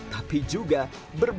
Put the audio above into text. tapi juga berbunyi